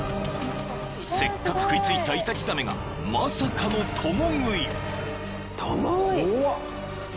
［せっかく食い付いたイタチザメがまさかの共食い］